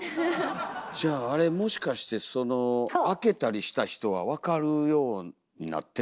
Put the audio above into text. じゃああれもしかしてその開けたりした人は分かるようになってたんだろうか？